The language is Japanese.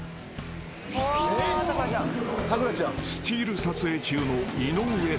［スチール撮影中の］